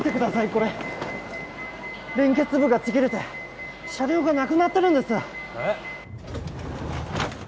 これ連結部がちぎれて車両がなくなってるんですえっ？